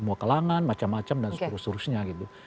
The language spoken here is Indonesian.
diterima semua kelangan macam macam dan seterus seterusnya gitu